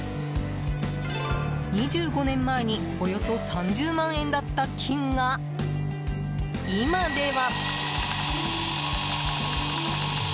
２５年前におよそ３０万円だった金が今では。